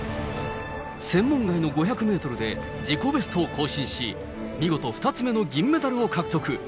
専門外の５００メートルで自己ベストを更新し、見事２つ目の銀メダルを獲得。